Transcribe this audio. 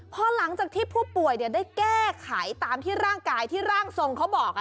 พอหลังจากที่ผู้ป่วยได้แก้ไขตามที่ร่างกายที่ร่างทรงเขาบอก